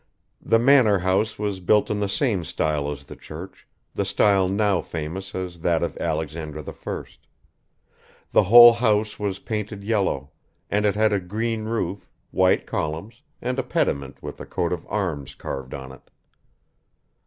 The manor house was built in the same style as the church, the style now famous as that of Alexander I; the whole house was painted yellow, and it had a green roof, white columns and a pediment with a coat of arms carved on it.